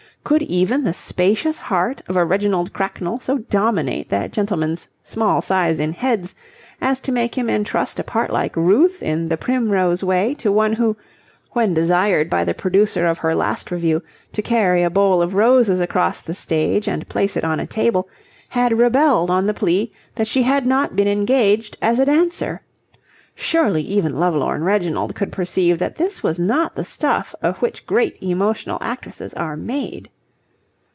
Could even the spacious heart of a Reginald Cracknell so dominate that gentleman's small size in heads as to make him entrust a part like Ruth in "The Primrose Way" to one who, when desired by the producer of her last revue to carry a bowl of roses across the stage and place it on a table, had rebelled on the plea that she had not been engaged as a dancer? Surely even lovelorn Reginald could perceive that this was not the stuff of which great emotional actresses are made.